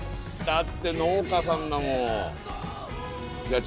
だって農家さんだもんいや